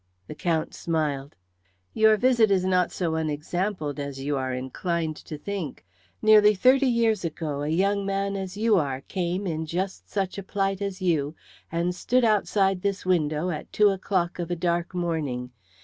The Count smiled. "Your visit is not so unexampled as you are inclined to think. Nearly thirty years ago a young man as you are came in just such a plight as you and stood outside this window at two o'clock of a dark morning.